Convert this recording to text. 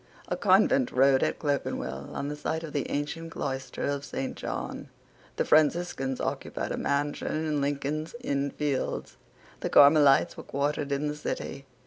A convent rose at Clerkenwell on the site of the ancient cloister of Saint John. The Franciscans occupied a mansion in Lincoln's Inn Fields. The Carmelites were quartered in the City.